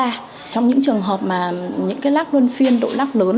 trong những trường hợp mà những cái lắc luôn phiên độ lắc lớn